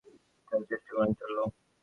শিকারের চেষ্টা করেই চলল।